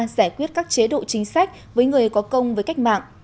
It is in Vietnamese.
giải quyết các chế độ chính sách với người có công với cách mạng